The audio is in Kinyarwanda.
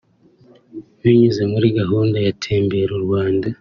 binyuze muri gahunda ya Tembera u Rwanda